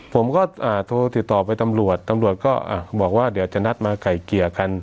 ผมก็โทรติดต่อไปตำรวจตำรวจก็บอกว่าเดี๋ยวจะนัดมาไก่เกลี่ยกัน